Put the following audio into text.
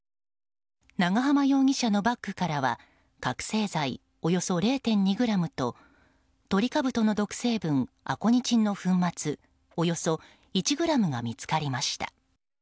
長浜容疑者のバッグからは覚醒剤およそ０．２ｇとトリカブトの毒成分アコニチンの粉末およそ１ｇが見つかりました。